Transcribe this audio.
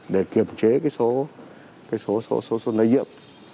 để kiểm trế cái số cái số số số lây nhiễm